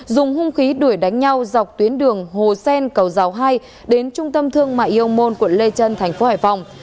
dùng hung khí đuổi đánh nhau dọc tuyến đường hồ sen cầu giáo hai đến trung tâm thương mại yom môn quận lê trân thành phố hải phòng